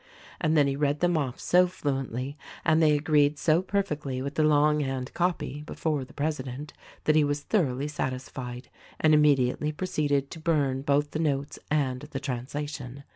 And then he read them off so fluently and they agreed so perfectly with the long hand copy before the president that he was thoroughly satisfied and immediately proceeded to burn both the notes and the translation.